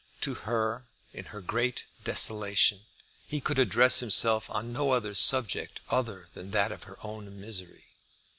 To her, in her great desolation, he could address himself on no other subject than that of her own misery.